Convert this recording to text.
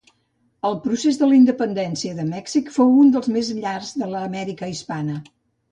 El procés de la independència de Mèxic fou un dels més llargs de l'Amèrica hispana.